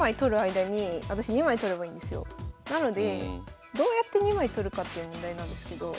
なのでどうやって２枚取るかっていう問題なんですけど。